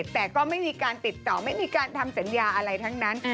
แต่ก็ไม่มีการติดต่อไม่มีการทำสัญญาอะไรทั้งนั้น